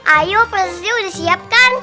ayo prinses ria udah siap kan